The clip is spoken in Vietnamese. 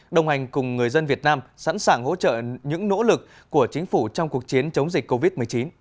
đồng hành cùng người dân việt nam sẵn sàng hỗ trợ những nỗ lực của chính phủ trong cuộc chiến chống dịch covid một mươi chín